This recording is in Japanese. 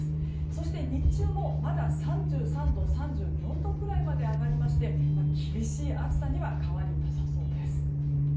そして、日中もまだ３３度、３４度くらいまで上がりまして、厳しい暑さには変わりなさそうです。